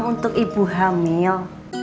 untuk ibu hamil